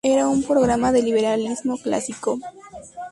Era un programa de liberalismo clásico".